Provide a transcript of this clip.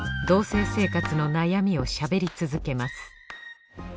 同棲生活の悩みをしゃべり続けます